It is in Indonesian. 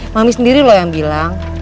mami sendiri loh yang bilang